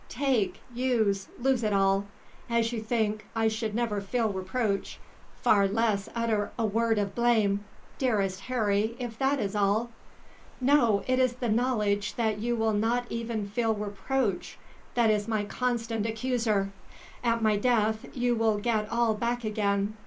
Take use lose it all. As you think, I should never feel reproach, far less utter a word of blame. Dearest Harry, if that is all " "No; it is the knowledge that you will not even feel reproach that is my constant accuser. At my death you will get all back again.